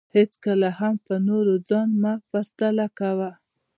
هېڅکله هم په نورو ځان مه پرتله کوه